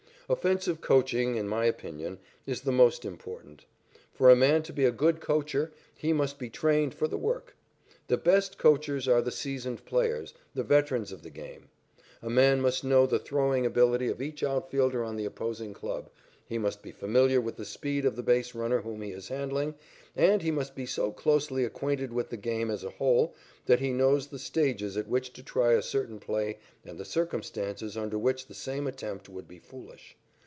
Offensive coaching, in my opinion, is the most important. For a man to be a good coacher he must be trained for the work. The best coachers are the seasoned players, the veterans of the game. A man must know the throwing ability of each outfielder on the opposing club, he must be familiar with the speed of the base runner whom he is handling, and he must be so closely acquainted with the game as a whole that he knows the stages at which to try a certain play and the circumstances under which the same attempt would be foolish.